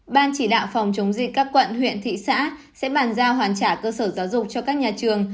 ban chỉ đạo phòng chống dịch các quận huyện thị xã sẽ bàn giao hoàn trả cơ sở giáo dục cho các nhà trường